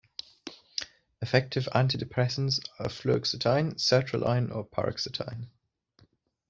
Effective antidepressants are fluoxetine, sertraline, or paroxetine.